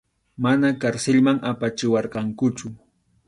Mana karsilman apachiwarqankuchu.